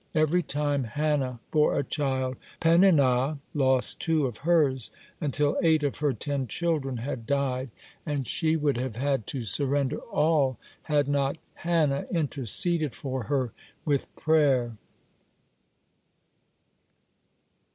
Every time Hannah bore a child, Peninnah lost two of hers, until eight of her ten children had died, and she would have had to surrender all, had not Hannah interceded for her with prayer.